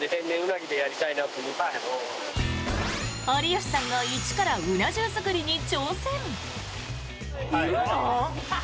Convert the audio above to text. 有吉さんが一からうな重作りに挑戦！